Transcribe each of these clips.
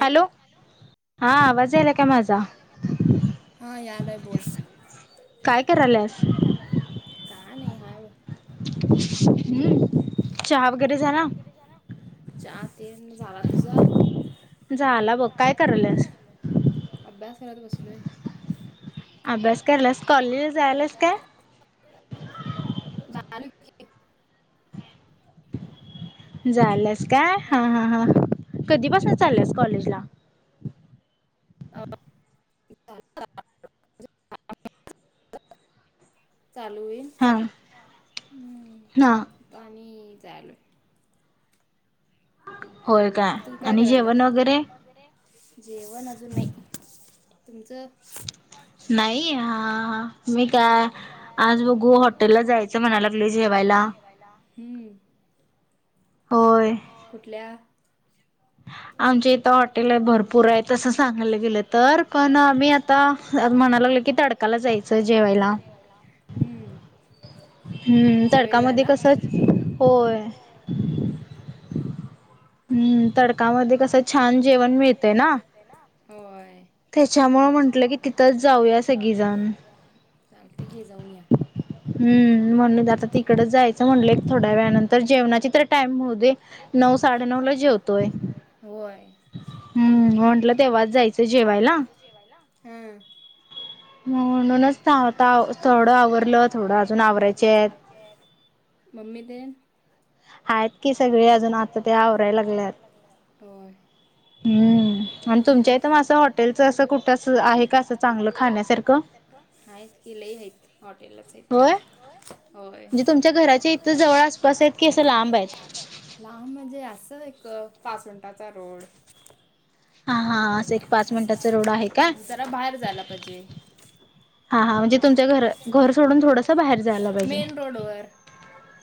Hello! हा आवाज हा आवाज यायलाय काय माझा? हा यायलाय बोल. काय करायल्यास? काय नाही हाय ब. हम्म, चहा वगैरे झाला? रे झाला? चा तेन झाला, तुझा? झाला ब, काय कराल्यास? अभ्यास करत बसलोय. अभ्यास करल्यास, कॉलेजला जायाल्यास काय? [unintelligible] ना [unintelligible] जायल्यास काय हा हा हा, कधीपासून चालल्यास कॉलेजला? [unintelligible] [unintelligible] चालू होईल. हा हा पाणी चालूय. होय, तू काय करायल्यास? आणि जेवण वगैरे जेवण अजून नाय, तुमचं? नाही. हा हा, मी काय आज बघू हॉटेलला जायचं म्हणाय लागलोय जेवायला. हम्म, अ कुठल्या? आमच्या इत त हॉटेल आहे भरपूर आहे तसं सांगायला गेलं तर, पण आम्ही आता म्हणाय लागलं की तडकाला जायच काला जायचं जेवायला, हम्म. हम्म तडकामध्ये कसं, होय. हम्म हम्म, तडकामध्ये कसं छान जेवण मिळतंय ना. तेना, होय. त्याच्यामुळं म्हंटलं की तिथंच जाऊया सगळीजण. चालते की जाऊन या. हम्म, म्हणून आता तिकडच जायचं म्हणलं थोड्या वेळानंतर जेवणाची तर टाइम होऊदे. नऊ साडे नऊला जेवतोय. हम्म, म्हटलं तेव्हाच जायचं जेवायला. जेवायला, हा. म्हणूनच तावा तावा थोडं आवरलं थोडं अजून आवरायचे आहेत. चेत मम्मी ते? आहेत की सगळे अजून आता ते आवरायला लागल्यात, होय. हम्म. आणि तुमच्या इथं म असं हॉटेलचं असं कुठं आहे का, असं चांगलं खाण्यासारखं? आहेत की लई आहेत हॉटेलच आहेत, होय? होय. घराच्या इथ जवळ आसपास कसं आहे का लांब आहे? लांब म्हणजे असं एक पाच मिनिटाचा रोड. हा हा हा पाच मिनिटाचा रोड हाय काय? म त्याला बाहेर जायला पाहिजे. हा हा, म्हणजे तुमच्या घर घर सोडून थोडसं बाहेर जायला पाहिजे. ओडवर.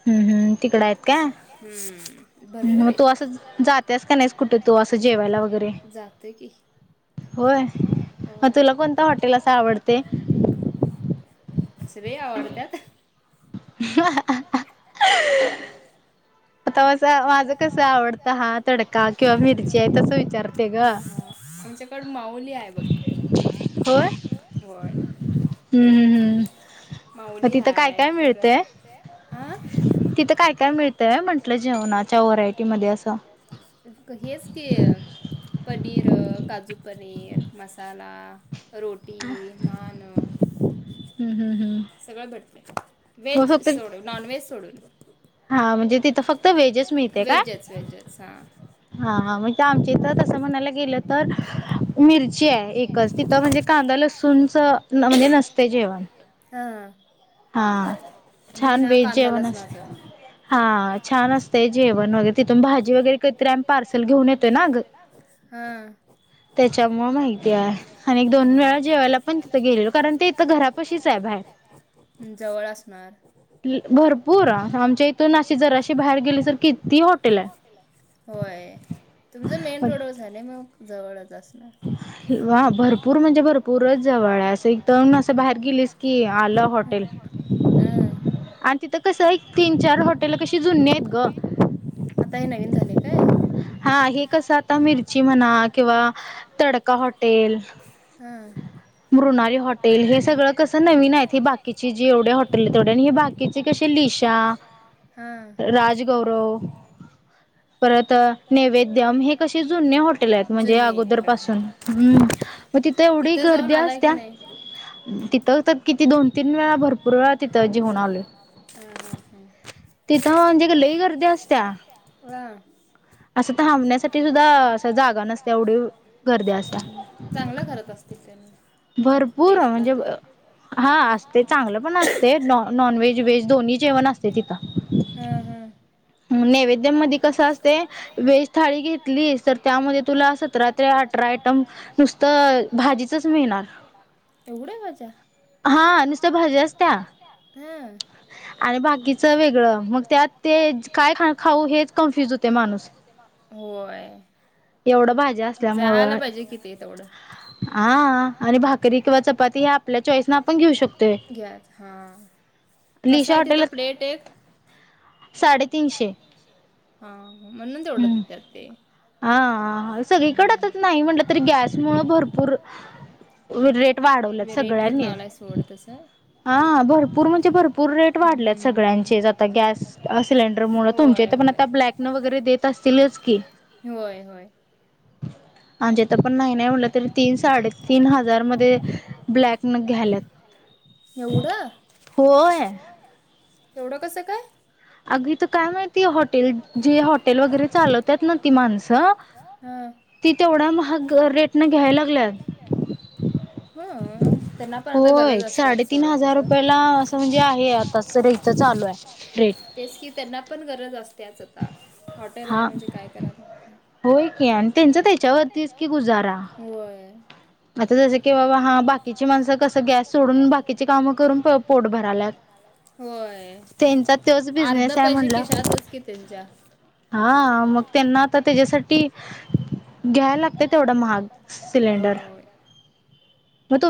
हम्म हम् तिकड आहेत का मग तू असं जातेस का नाहीस कुठे तू असं सजेवायला वगैरे की हो होय म तुला कोणत हॉटेल अस आवडत असे लय आवडतात आता माझं कसं आवडतं हा तडका किंवा मिरची आहे तसं विचारते ग कड माऊली आहे बघ होय हम्म हम्म हम् मग तिथं काय काय मिळतय तिथं काय काय मिळतय म्हण कल्या जेवणाच्या व्हरायटीमध्ये असं मकं हेच की पनीर काजू पनीर मसाला रोटी नान हम् हम् हम सगळे भटले व्हेज सोडून नॉन व्हेज सोडून ह म्हणजे तिथ फक्त व्हेजच वहेजच हा हा हा म्हणजे आमच म्हणायला गेलं तर मिरची आहे म्हणजे का लच नसते जेव्हा ह छान व्हेज जेवण असतं हा छान असतेय जेवण वगैरे तिथून भाजी वगैरे कधीतरी आणता पार्सल घेऊन येते ना ग त्याच्यामुळ माहिती आहे आणि एक दोन वेळा जेवायला पण तिथं गेलेलो कारण ते इथं घरापशीच आहे बाहेर ह जवळ असणार भरपूर आमच्या इथून अशी जराशी बाहेर गेली तर किती हॉटेल आहे होय तुमच मेन रोड व झा ना मग जवळचत वा भरपूर म्हणजे भरपूरच जवळ आहे असं एक तरण असं बाहेर गेलीस की आलं होटेल ह आणि तिथं कसं एक तीन चार हॉटेल कशी जुनने आहेत ग हो आता हे नवीन झाले काय हा हे कस आता मिरची म्हणा किंवा तडका हॉटेल मृणाली हॉटेल हे सगळं कसं न कसं नवीन आहे ते बाकीची जी एवढ्या हॉटेल तेवढ्या आणि हे बाकी कसे लिशा राजगौरव परत नैवेद्यम हे कसे जुने हॉटेल आहेत म्हणजे अगोदर पासून हम् मग तिथं एवढी गर्दी असत्या तिथं तर किती दोन तीन वेळा भरपूर वेळा तिथ जाऊन आलो तिथ म्हणजेक लय गर्दी असत्या व असं थांबण्यासाठी सुद्धा अस जागा नसते एवढी चांगलं कररत असत नाही टेस्ट लाते हा असते चांग पण असते नॉन व्हेज व्हेज दोन्ही जेवण अस हम् हम्म ह नैवेद्यामध्येध्ये कसं असते वेज थाळी घेतली तर त्यामध्ये तुला सतरा ते अठरा आटम नुस नुसतं भाजीचच मिळणार. एवढ भाज्या? हा नुसत भाजी असत्या. ह! आणि बाकीच वेगळं मग त्यात ते काय खा- खाऊ हेच कन्फ्युज होते माणूस. होय. जायाला पाहिजे कि ते तेवढं. हा आणि भाकरी किंवा चपाती हे आपल्या चॉईस न आपण घेऊ शकतो. कस आहे तिथं प्लेट एक? साडेतीनशे. हा म्हणून तेवढे घे त्यात ते. हा, सगळीकडे तर नाही म्हटलं तरी गॅस मुळ भरपूर रेट वाढवल्यात सगळ्यांनीच. हा भरपूर म्हणजे भरपूर रेट वाढलेत सगळ्यांचेच आता गॅस- सिलेंडर मुळ तुमचे ते पण ब्लॅकन वगैरे देत असतीलच की. आमच्या इथं पण नाही नाही म्हलं तरी तीन साडे तीन हजार मध्ये ब्लॅक न घ्यायल्यात. एवढा. होय. एवढं कसं काय? अगं इथं काय माहिती हॉटेल जे हॉटेल वगैरे चालवतात न ती माणसं ती तेवढा महाग रेटनं घ्यायला लागल्यात? हं! होय साडेतीन हजार रुपयाला असं म्हणजे आहे आताच र इथं चालू आहे रेट. तेच की त्यांना पण गरज असते आच आता हॉटेल आहे म्हणजे काय करायला येत नाही. होय की आणि त्यांच त्याच्यावरतीच क गुजारा. जस की बाबा हा बाकीची माणसं कसं गॅस सोडून बाकीची कामं करून प-पोट भराल्यात. त्यांचा तोच बिझनेस आहे. पैसे खिशातच की त्यांच्या. हा मग त्यांना आता त्याच्यासाठी घ्यायला लागत तेवढं महाग सिलेंडर.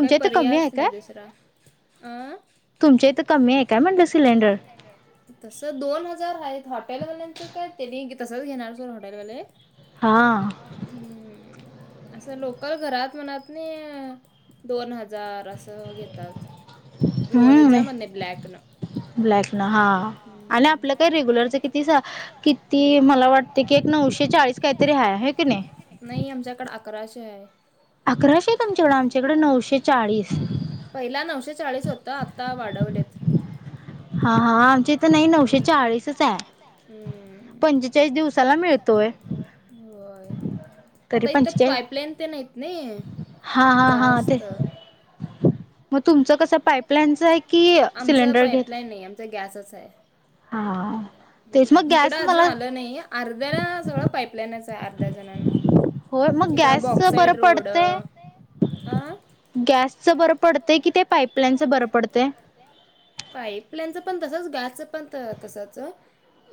काही पर्यायच नाही दुसरा. अं! तुमच्या इथं कमी आहे काय म्हणलं सिलेंडर. तसं दोन हजार आहेत, हॉटेलवाल्यांचं काय तेनी तसंच घेणार सोर हॉटेलवाले. हम्म, असं लोकल घरात म्हणत नाही. दोन हजार असं घेतात. लोहेच्या म्ह ब्लॅक न. आपलं काही रेग्युलरच किती किती मला वाटते की एक नऊशे चाळीस काहीतरी आहे. आहे की नाही? नाही आमच्याकडे अकराशे आहे. अकराशे तुमच्याकडं आमच्याकडे नऊशे चाळीस. पहिला नऊशे चाळीस होतं आता वाढवलेत. हा हा आमचे इथ नाही नवशे नवशेचाळीस च आहे हम्म पंचेचाळीस दिवसाला मिळतं. होय. आता इथं पाईपलाईन ते नाहीत नाही जास्त. मग तुमच कस पाइपलाईनच आहे कि सिलेंडर घेत. गॅसच आहे इकड अजून आलं नाही‌. अर्ध्याला सगळं पाईपलाईनच आहे अर्ध्या जणांना. तिकड बॉक्साइड रोड. अ गॅसचं बरं पडतं कि ते पाईपलांईनच बरं पडतं पाईपलांईनच पणं तसंच गॅसचं पणं तसंच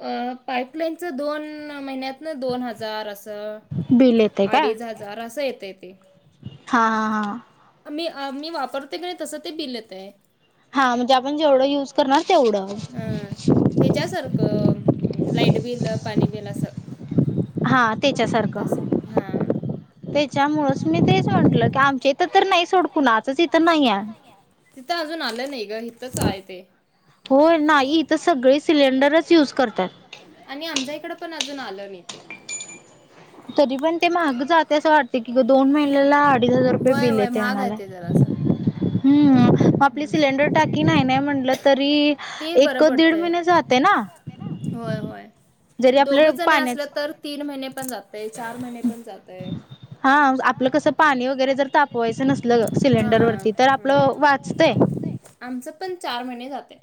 अं पाईपलांईनचं कसं दोन महिन्यांत नां दोन हजांर असं अडीच हजांर असं येतंय ते मी मी वापरते की नाहीं तसं ते बिल येतंय हां म्हणंजे आपणं जेवढं युंज करणारं तेवढं ह्यांच्या सारखं लाईट बिल पाणी बिल असं हां ते तसं हां त्यांच्यामुळे मी तेचं म्हंटलं की आमच्यां इथं तरं नाहीं सोडकूंन आजचं इथं नाहीं आहे तिथं अजूंन आलं नाहीं गं इथंच आहे ते हो नाहीं तरं सगळें सिलेंडरच युंज करतांत आणि आमच्यां इकडं पणं अजूंन आलं नाहीं ते तरी पणं ते महांग जहांत असं वाटते की दोन महिन्यांला अडीच हजांर रुपये बिल येते आम्हांला हम्मं मंग आपली सिलेंडर टाकी नाहीं नाहीं म्हटलं तरी एक दीड महिने जाते नां होयं होयं दोघं जणं असलं तरं तीन महिने पणं जातंय चार महिने पणं जातंय हां आपलं कसं पाणी वगैरें जरं तापवायचं नसलं सिलेंडरवरंती तरं आपलं वाचतंय आमचं पणं चार महिने जातंय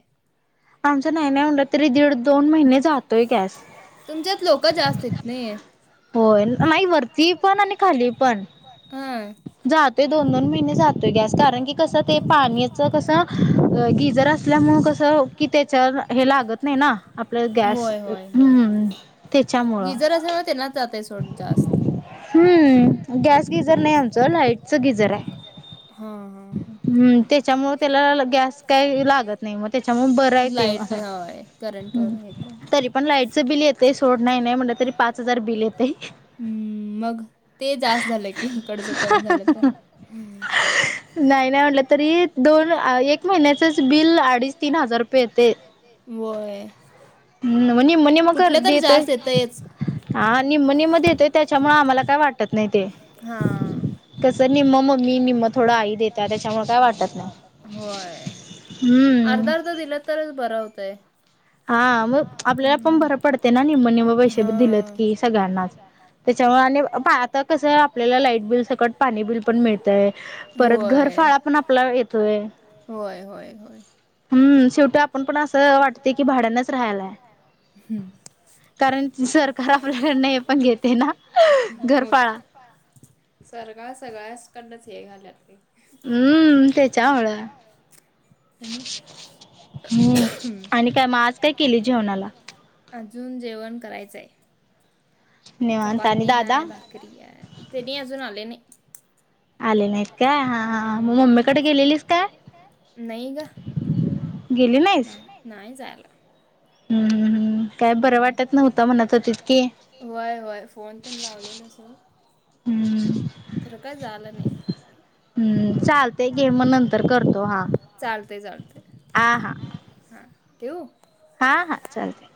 आमचं नाहीं नाहीं म्हटलं तरी दीड दोन महिने जातोय गॅस तुमच्यांत लोकं जास्तं येतं नाहीये होयं नाहीं वरती पणं आणि खांली पणं पणं हां जातोय दोन दोन महिने जातोय गॅस कारणं की कसं ते पाण्याचं कसं गिजर असल्यांमुळे कसं कि त्यांच्यावर हे लागतं नाहीं नां आपल्यां गॅस हम्मं त्यांच्यामुळे हम्मं गॅस गीजर नाहीं गॅस चां गिजर आहे हम्मं हां त्यांच्यामुळे त्यांला गॅस कांहीं लागतं नाहीं मं त्यांच्यामुळे लाईटय करंट वरं हे करायचं तरी पणं लाईटचं बिलं येतं आहे सोंड नाहीं नाहीं म्हटलं तरी पांच हजांर बिलं येते हम्मं मंग ते जास्तं झालंय कि इकडचं कमी झालं तरं नाहीं नाहीं म्हटलं तरी दोन एक महिन्याचंच बिलं अडीचं तीनं हजांर रुपये येते वयं म्हणंजे मं म्हणजे मयं कां देतंय हां निमनी मध्यें येतोय त्यांच्यामुळे आम्हांला कायं वाटतं नाहीं ते हां कसं नाहीं मंग मंग मी म मंग थोडां आं देतं त्यांच्या मं कायं वाटतंय नाहीं होयं हम्मं तरचं बरं होतंय हां आं आपल्यांला पणं बरं पडते नां निम्मं निम्मं पैसे दिलंत की सगळ्यांना त्यांच्यामुळे आणि आंता कसं आहे आपल्यांला लाईट बिलं संकट पाणी बिलं पणं मिळतंय परंत घरंभाडां पणं आपलां येतोय होयं होयं होयं हम्मं शेवटी आपणं पणं असं वाटते की भाड्यांनाचं राहायंला आहे हम्मं कारण सरकार आपल्याकड हे पण घेते ना घरफाळा सरकार सगळ्याचकडनच हे झाल्यात की हम्म तेच्यामुळं हम्म आणि काय म आज काय केली जेवणाला अजून जेवण करायचंय. चपाती हाय भाकरी हाय तेनी अजून आले नाय. आले नाहीत काय हूं मम्ममीकडे गेलेलीस का नाही ग गेली नाहीस नाही नाय जायला हूं हूं हूं काय बरं वाटत नव्हत म्हणत होतीत की, होय होय फोन तेनं लावलेल सोड खर का जायला नाय हम्म चालतय की म नंतर करतो हा आ हा हा ठेवू हा हा चालतय.